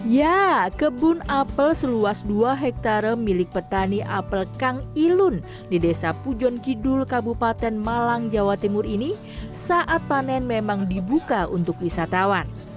ya kebun apel seluas dua hektare milik petani apel kang ilun di desa pujon kidul kabupaten malang jawa timur ini saat panen memang dibuka untuk wisatawan